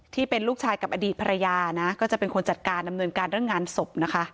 ที่เป็นลูกชายกับอดีตภรรยานะก็จะเป็นคนจัดการดำเนินการเรื่องงานศพนะคะ